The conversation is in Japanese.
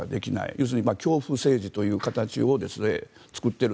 要するに恐怖政治という形を作っている。